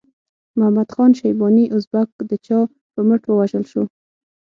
محمد خان شیباني ازبک د چا په مټ ووژل شو؟